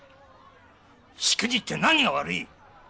しくじって何が悪い！